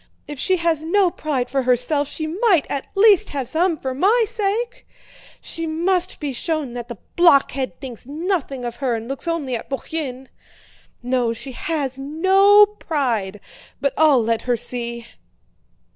If she has no pride for herself she might at least have some for my sake! She must be shown that the blockhead thinks nothing of her and looks only at Bourienne. No, she has no pride... but I'll let her see...."